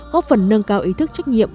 góp phần nâng cao ý thức trách nhiệm